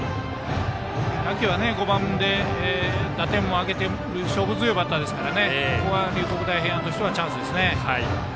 秋は５番で打点も挙げている勝負強いバッターですからここは龍谷大平安としてはチャンスですね。